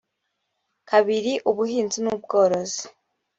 kabiri ubuhinzi n ubworozi